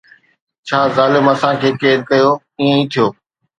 ڇا ظالم اسان کي قيد ڪيو، ائين ئي ٿيو